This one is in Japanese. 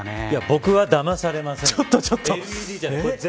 僕はだまされません。